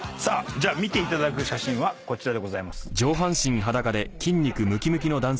見ていただく写真はこちらでございます。